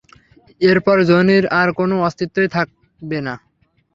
এরপর জনির আর কোনো অস্তিত্বই থাকবে না।